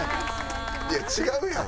いや違うやん。